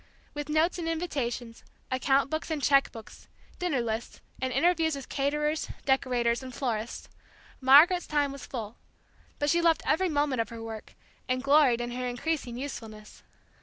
With notes and invitations, account books and cheque books, dinner lists, and interviews with caterers, decorators, and florists, Margaret's time was full, but she loved every moment of her work, and gloried in her increasing usefulness.